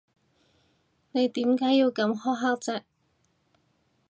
你點解要咁苛刻啫？